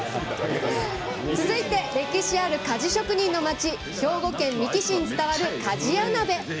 続いて歴史ある鍛冶職人の町兵庫県三木市に伝わる鍛冶屋鍋。